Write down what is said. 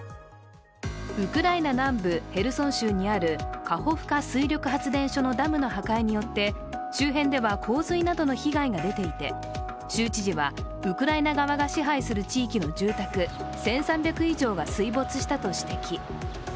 ウクライナ南部ヘルソン州にあるカホフカ水力発電所のダムの破壊によって周辺では洪水などの被害が出ていて、州知事はウクライナ側が支配する地域の住宅１３００以上が水没したと指摘。